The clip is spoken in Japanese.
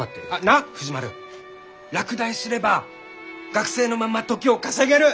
なあ藤丸落第すれば学生のまま時を稼げる！